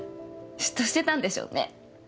嫉妬してたんでしょうね。